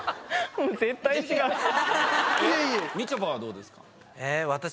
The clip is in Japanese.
みちょぱはどうですか？